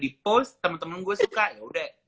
di post temen temen gue suka ya udah